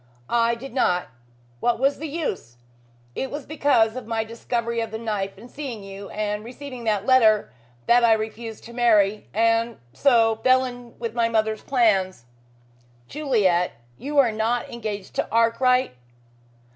"I did not. What was the use? It was because of my discovery of the knife and seeing you, and receiving that letter, that I refused to marry, and so fell in with my mother's plans." "Juliet, you are not engaged to Arkwright?"